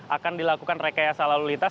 akan dilakukan rekayasa lalu lintas